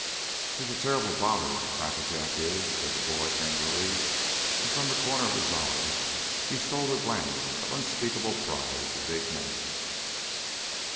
"He's a terrible bother, Crackajack is," said the boy angrily, and from the corner of his eye he stole a glance of unspeakable pride at the big man.